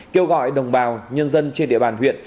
kêu gọi đồng bào nhân dân trên địa bàn huyện